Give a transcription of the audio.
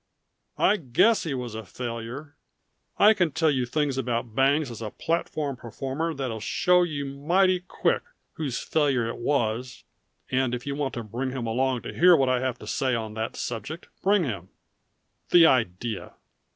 I guess he was a failure! I can tell you things about Bangs as a platform performer that'll show you mighty quick whose failure it was, and if you want to bring him along to hear what I have to say on that subject, bring him. The idea!